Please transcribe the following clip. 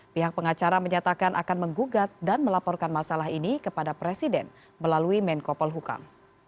pihak pengacara menyatakan akan menggugat dan melaporkan masalah ini kepada presiden melalui menko polhukam